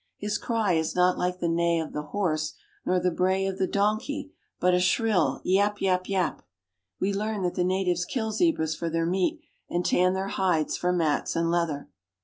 His cry is not like the neigh of the horse, nor the bray of the donkey, but a shrill yap ! yap ! yap ! We learn that the natives kill zebras for their meat and tan their hides for mats and leather.